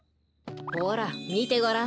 ほらみてごらん。